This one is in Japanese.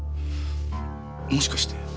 もしかして。